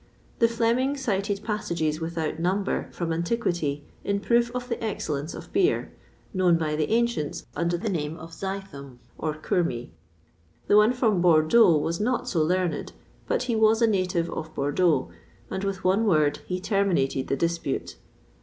The Fleming cited passages without number from antiquity in proof of the excellence of beer, known by the ancients under the name of zithum, or curmi. The one from Bordeaux was not so learned, but he was a native of Bordeaux, and with one word he terminated the dispute.